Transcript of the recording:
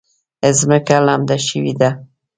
ځمکه لمده شوې ده